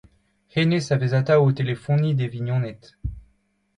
Hennezh a vez atav o telefoniñ d'e vignoned.